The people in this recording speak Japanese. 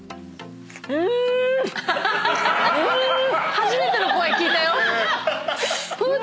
初めての声聞いたよ